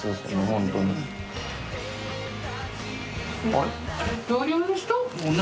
あれ？